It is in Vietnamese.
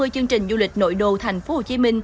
ba mươi chương trình du lịch nội đô tp hcm